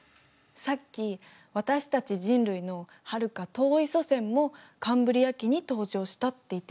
さっき「私たち人類のはるか遠い祖先もカンブリア紀に登場した」って言ってたよね？